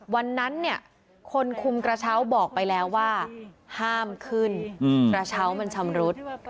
วันนั้นเนี่ยคนคุมกระเช้าบอกไปแล้วว่าห้ามขึ้นกระเช้ามันชำรุด